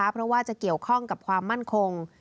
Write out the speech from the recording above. เพราะว่าจะเกี่ยวข้องกับความมั่นคง